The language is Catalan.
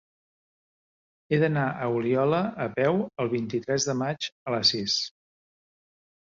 He d'anar a Oliola a peu el vint-i-tres de maig a les sis.